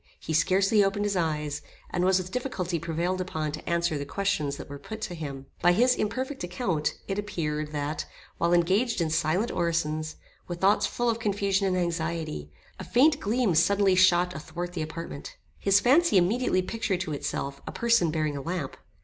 He scarcely opened his eyes, and was with difficulty prevailed upon to answer the questions that were put to him. By his imperfect account, it appeared, that while engaged in silent orisons, with thoughts full of confusion and anxiety, a faint gleam suddenly shot athwart the apartment. His fancy immediately pictured to itself, a person bearing a lamp.